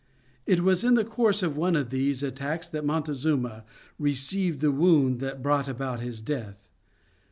It was in the course of one of these attacks that Montezuma received the wound that brought about his death.